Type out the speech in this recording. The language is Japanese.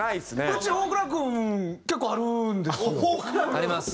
うち大倉君結構あるんですよ。あります。